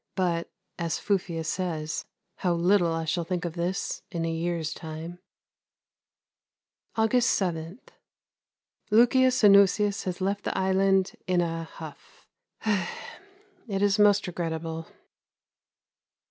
But, as Fufius says, how little I shall think of this in a year's time. August 7. Lucius Anuseius left the island in a huff. It is most regrettable.